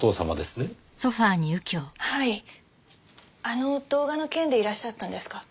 あの動画の件でいらっしゃったんですか？